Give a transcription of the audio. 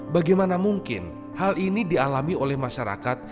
bagaimana mungkin hal ini dialami oleh masyarakat